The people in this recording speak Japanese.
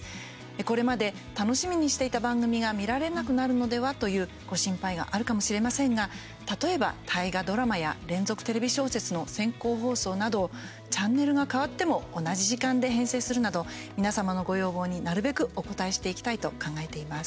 これまで楽しみにしていた番組が見られなくなるのでは？というご心配があるかもしれませんが例えば、大河ドラマや連続テレビ小説の先行放送などチャンネルが変わっても同じ時間で編成するなど皆様のご要望になるべくお応えしていきたいと考えています。